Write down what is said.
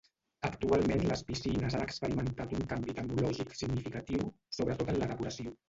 Actualment les piscines han experimentat un canvi tecnològic significatiu, sobretot en la depuració.